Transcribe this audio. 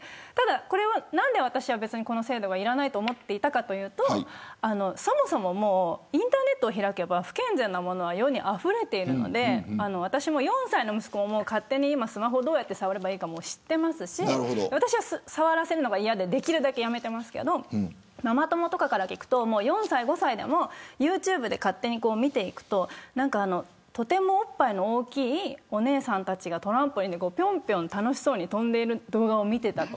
私は何でこの制度がいらないと思っていたかというとそもそもインターネットを開けば不健全なものは世にあふれているので私も４歳の息子が勝手にスマホをどうやって触ればいいか知っていますから私は触らせるのが嫌でやめてますけどママ友とかから聞くと４歳、５歳でもＹｏｕＴｕｂｅで勝手に見ていくととてもおっぱいの大きいお姉さんたちがトランポリンで楽しそうに飛んでいる動画を見ていたり。